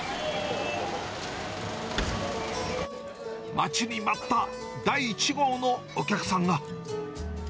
待ちに待った第１号のお客さんが。